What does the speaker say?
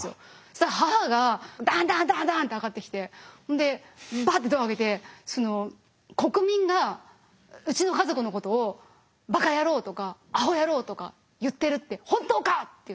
そしたら母がダンダンダンダンって上がってきてバッてドア開けて「国民がうちの家族のことをバカ野郎とかアホ野郎とか言ってるって本当か！」って言って。